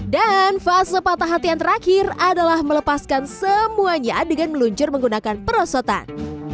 dan fase patah hati yang terakhir adalah melepaskan semuanya dengan meluncur menggunakan perosotan